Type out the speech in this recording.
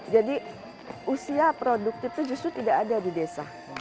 jadi usia produktif itu justru tidak ada di desa